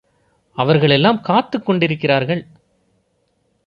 அவர்களெல்லாம் காத்துக் கொண்டிருக்கிறார்கள்.